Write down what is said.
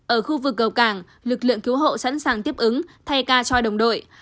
ở khu vực cầu cảng lực lượng cứu hộ sẵn sàng tiếp ứng thay ca cho đồng đội